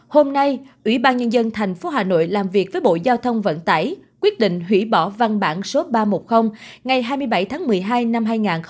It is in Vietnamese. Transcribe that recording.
hôm nay ủy ban nhân dân tp hà nội làm việc với bộ giao thông vận tải quyết định hủy bỏ văn bản số ba trăm một mươi ngày hai mươi bảy tháng một mươi hai năm hai nghìn một mươi tám